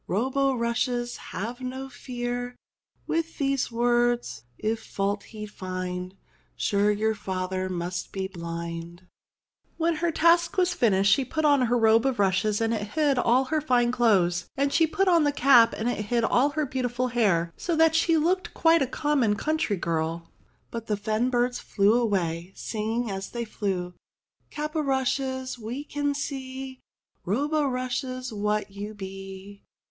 Robe o' rushes, have no fear ; With these words if fault he'd find, Sure your father must be blind." 300 ENGLISH FAIRY TALES When her task was finished she put on her robe of rushes and it hid all her fine clothes, and she put on the cap and it hid all her beautiful hair, so that she looked quite a common coun try girl. But the fen birds flew away, singing as they flew : "Cap o rushes ! we can see, Robe o' rushes ! what you be.